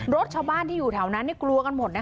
รถชาวบ้านที่อยู่แถวนั้นกลัวกันหมดนะคะ